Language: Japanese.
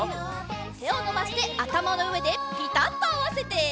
てをのばしてあたまのうえでピタッとあわせて。